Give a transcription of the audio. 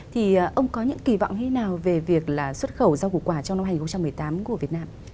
thì ông có những kỳ vọng hay nào về việc là xuất khẩu rau củ quả trong năm hai nghìn một mươi tám của việt nam